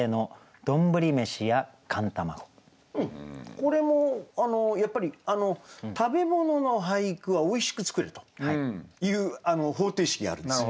これもやっぱり食べ物の俳句はおいしく作れという方程式があるんですよ。